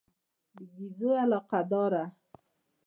د ګېزو علاقه داره.